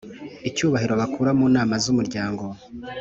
icyubahiro bakura mu nama zUmuryango